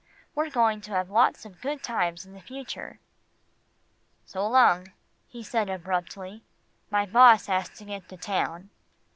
We're going to have lots of good times in the future." "So long," he said abruptly. "My boss has to get to town."